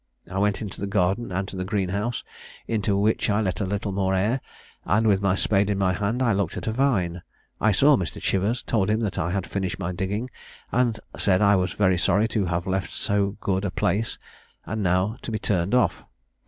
I went into the garden, and to the green house, into which I let a little more air, and, with my spade in my hand, I looked at a vine. I saw Mr. Chivers, told him that I had finished my digging, and said I was very sorry to have left so good a place, and now to be turned off.